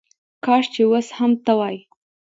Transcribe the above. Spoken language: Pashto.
کاش چې وس هم ته وای